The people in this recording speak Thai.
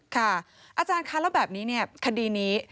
อาจารย์คะแล้วแบบนี้เนี่ยคดีนี้